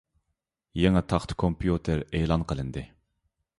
يېڭى تاختا كومپيۇتېرى ئېلان قىلىندى.